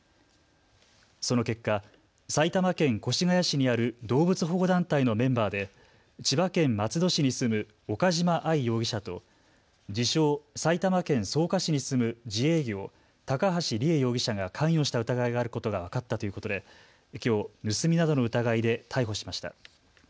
その結果、埼玉県越谷市にある動物保護団体のメンバーで千葉県松戸市に住む岡島愛容疑者と自称、埼玉県草加市に住む自営業、高橋里衣容疑者が関与した疑いがあることが分かったということできょう盗みなどの疑いで逮捕しました。